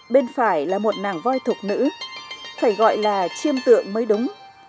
bên phải là một nàng voi thục nữ phải gọi là chiêm tượng mới đúng